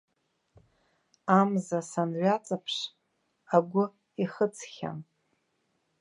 Амза санҩаҵаԥш, агәы ихыҵхьан.